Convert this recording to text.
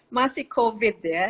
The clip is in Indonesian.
masih covid ya